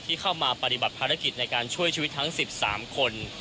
เข้ามาปฏิบัติภารกิจในการช่วยชีวิตทั้ง๑๓คน